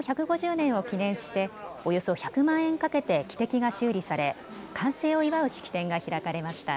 １５０年を記念しておよそ１００万円かけて汽笛が修理され完成を祝う式典が開かれました。